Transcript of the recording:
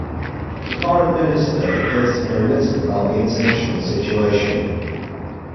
The foreign minister appears to know little about the international situation.